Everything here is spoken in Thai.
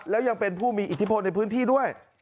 แล้วยังเป็นผู้มีอิทธิพลในพื้นที่ด้วย